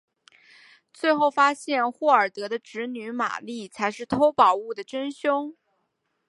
最后发现霍尔德的侄女玛丽才是偷宝物的真凶。